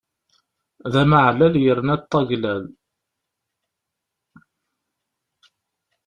D amaɛlal yerna ṭṭaglal.